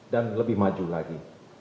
dan lebih maju lagi